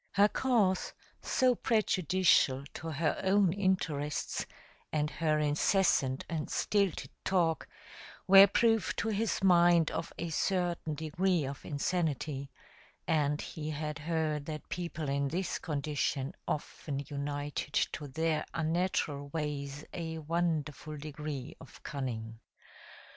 Her course, so prejudicial to her own interests, and her incessant and stilted talk, were proof to his mind of a certain degree of insanity, and he had heard that people in this condition often united to their unnatural ways a wonderful degree of cunning.